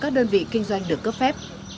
cho các đơn vị kinh doanh được cấp phép